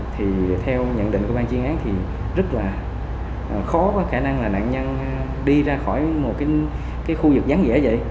thì theo nhận định của ban chuyên án thì rất là khó có khả năng là đạn nhân đi ra khỏi một cái khu vực rắn dễ vậy